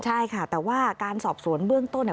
ใช่ค่ะแต่ว่าการสอบสวนเบื้องต้นเนี่ย